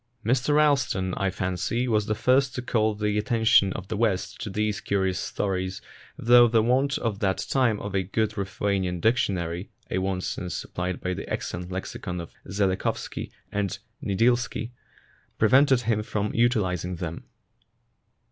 Mr Ralston, I fancy, was the first to call the attention of the West to these curious stories, though the want at that time of a good Ruthenian dictionary (a want since supplied by the excellent lexicon of Zhelekhovsky and Nidilsky) pre vented him from utilizing them.